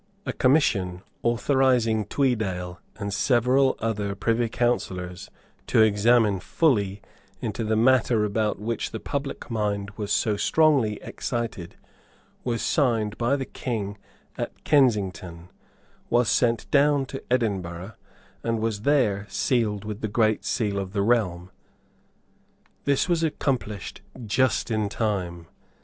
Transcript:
A Commission authorising Tweedale and several other privy councillors to examine fully into the matter about which the public mind was so strongly excited was signed by the King at Kensington, was sent down to Edinburgh, and was there sealed with the Great Seal of the realm. This was accomplished just in time.